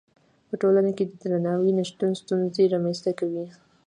په ټولنه کې د درناوي نه شتون ستونزې رامنځته کوي.